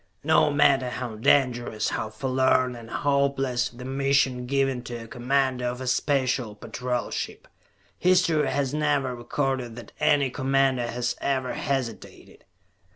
No matter how dangerous, how forlorn and hopeless the mission given to a commander of a Special Patrol ship, history has never recorded that any commander has ever hesitated.